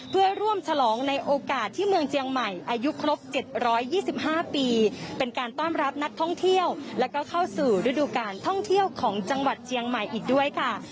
เพื่อร่วมฉลองในโอกาสที่เมืองเจียงใหม่อายุครบ๗๒๕ปีเป็นการต้อนรับนักท่องเที่ยวแล้วก็เข้าสู่ฤดูการท่องเที่ยวของจังหวัดเจียงใหม่อีกด้วยค่ะ